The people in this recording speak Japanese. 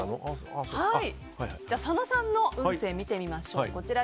佐野さんの運勢を見てみましょう。